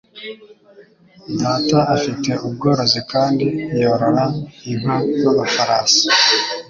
Data afite ubworozi kandi yorora inka n'amafarasi